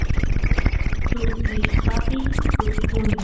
suk kishkapi tuksikuny